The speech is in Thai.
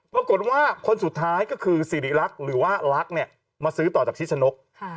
ปรากฏว่าคนสุดท้ายก็คือสิริรักษ์หรือว่าลักษณ์เนี่ยมาซื้อต่อจากชิชนก